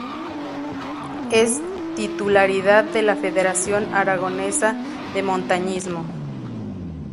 Es titularidad de la Federación Aragonesa de Montañismo.